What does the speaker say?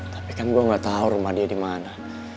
tapi kan gua gak tau rumah dia di mana